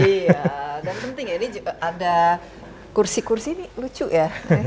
dan penting ya ini ada kursi kursi ini lucu ya